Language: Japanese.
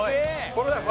これだよ！